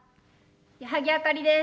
矢作あかりです。